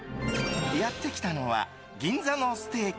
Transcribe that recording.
やってきたのは銀座のステーキ